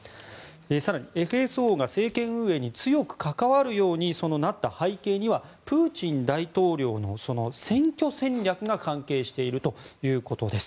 更に、ＦＳＯが政権運営に強く関わるようになった背景にはプーチン大統領の選挙戦略が関係しているということです。